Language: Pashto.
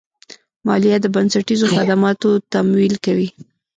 مالیه د بنسټیزو خدماتو تمویل کوي.